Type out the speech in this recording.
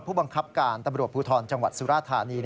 ผู้บังคับการตำรวจภูทรจังหวัดสุราธานี